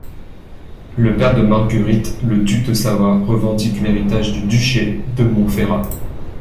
Le père de Marguerite, le duc de Savoie, revendique l'héritage du duché de Montferrat.